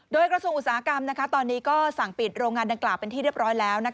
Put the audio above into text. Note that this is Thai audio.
โดยกระทรวงอุตสาหกรรมตอนนี้ก็สั่งปิดโรงงานดังกล่าวเป็นที่เรียบร้อยแล้ว